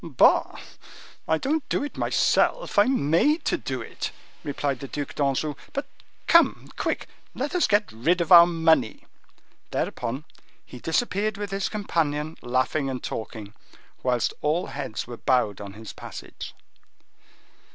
"Bah! I don't do it myself; I am made to do it," replied the Duc d'Anjou. "But come, quick! let us get rid of our money." Thereupon he disappeared with his companion, laughing and talking, whilst all heads were bowed on his passage.